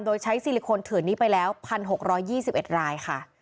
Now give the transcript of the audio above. โดยใช้ซิลิโคนเถื่อนนี้ไปแล้ว๑๖๒๑รายค่ะ